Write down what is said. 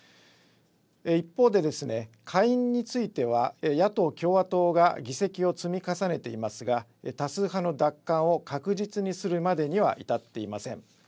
一方で下院にについては野党・共和党が議席を積み重ねていますが多数派の奪還を確実にするまでには至っていません。